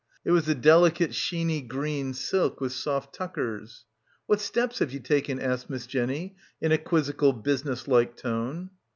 It was a delicate sheeny green silk, with soft tuckers. "What steps have ye taken?" asked Miss Jenny in a quizzical business like tone.